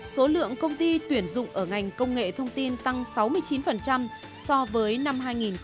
số lượng công ty tuyển dụng ở ngành công nghệ thông tin tăng sáu mươi chín so với năm hai nghìn một mươi tám